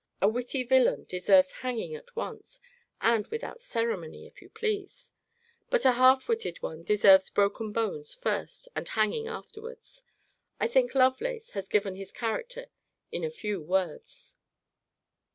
A witty villain deserves hanging at once (and without ceremony, if you please): but a half witted one deserves broken bones first, and hanging afterwards. I think Lovelace has given his character in a few words.